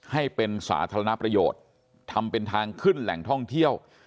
ให้เป็นสาธารณประโยชน์ทำเป็นทางขึ้นแหล่งท่องเที่ยว